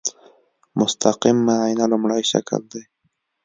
مستقیم معاینه لومړی شکل دی.